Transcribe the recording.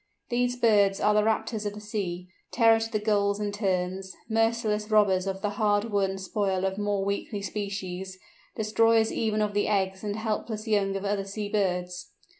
These birds are the Raptors of the sea; a terror to the Gulls and Terns; merciless robbers of the hard won spoil of more weakly species; destroyers even of the eggs and helpless young of other sea birds.